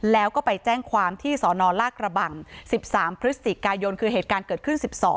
แล้วก็ไปแจ้งความที่สนลากระบัง๑๓พฤศจิกายนคือเหตุการณ์เกิดขึ้น๑๒